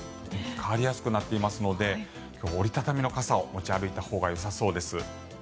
変わりやすくなっていますので折り畳みの傘を持ち歩いたほうがよさそうです。